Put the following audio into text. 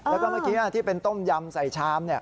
แล้วก็เมื่อกี้ที่เป็นต้มยำใส่ชาม